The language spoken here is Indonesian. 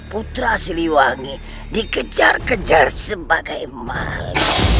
putra siliwangi dikejar kejar sebagai emas